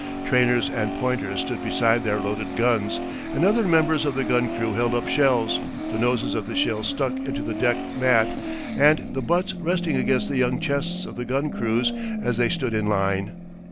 ] Trainers and pointers stood beside their loaded guns, and other members of the gun crew held up shells, the noses of the shells stuck into the deck mat and the butts resting against the young chests of the gun crews as they stood in line.